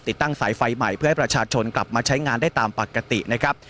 ตั้งสายไฟใหม่เพื่อให้ประชาชนกลับมาใช้งานได้ตามปกตินะครับ